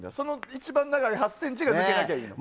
一番長い８ｃｍが抜けなければいいんだ。